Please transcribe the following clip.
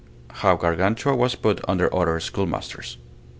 How Gargantua was put under other schoolmasters.